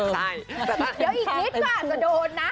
เดี๋ยวอีกนิดก็อาจจะโดนนะ